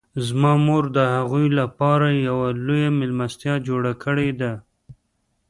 زما مور د هغوی لپاره یوه لویه میلمستیا جوړه کړې ده